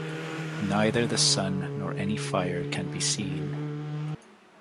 Neither the sun nor any fire can be seen.